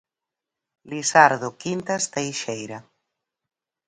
Lisardo Quintas Teixeira.